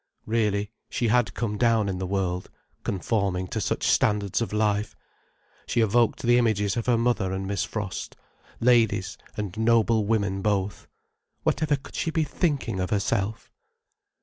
Really, she had come down in the world, conforming to such standards of life. She evoked the images of her mother and Miss Frost: ladies, and noble women both. Whatever could she be thinking of herself!